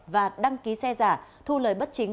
và đăng ký xe giả thu lời bất chính